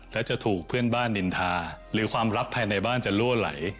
และจะถูกเพื่อนบ้านนินทาหรือความลับภายในบ้านจะลั่วไหล